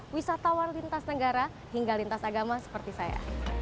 wisatawan lintas negara hingga lintas agama seperti saya